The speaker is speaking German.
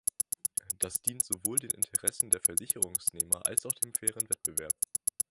Das dient sowohl den Interessen der Versicherungsnehmer als auch dem fairen Wettbewerb.